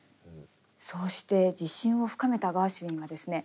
そうして自信を深めたガーシュウィンはですね